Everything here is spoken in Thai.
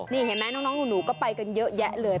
นี่เห็นไหมน้องหนูก็ไปกันเยอะแยะเลย